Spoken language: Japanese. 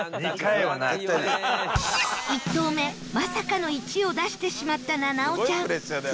１投目まさかの「１」を出してしまった菜々緒ちゃん